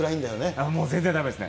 全然だめですね。